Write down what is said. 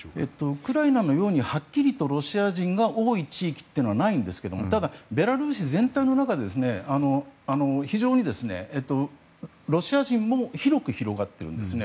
ウクライナのようにはっきりとロシア人が多い地域はないんですけどもただ、ベラルーシ全体の中で非常にロシア人も広く広がっているんですね。